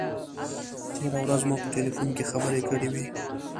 تېره ورځ مو په تیلفون کې خبرې کړې وې.